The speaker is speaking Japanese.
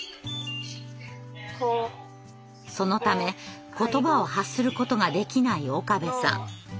そのため言葉を発することができない岡部さん。